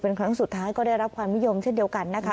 เป็นครั้งสุดท้ายก็ได้รับความนิยมเช่นเดียวกันนะคะ